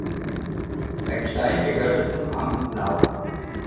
Beckstein gehörte zum Amt Lauda.